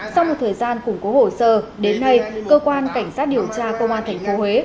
sau một thời gian củng cố hồ sơ đến nay cơ quan cảnh sát điều tra công an tp huế